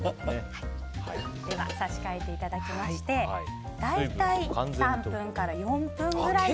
では差し替えていただきまして大体、３分から４分ぐらい。